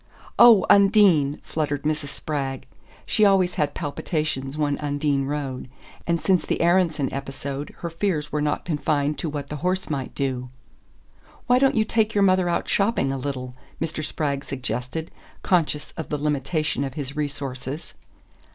"Oh, Undine!" fluttered Mrs. Spragg. She always had palpitations when Undine rode, and since the Aaronson episode her fears were not confined to what the horse might do. "Why don't you take your mother out shopping a little?" Mr. Spragg suggested, conscious of the limitation of his resources.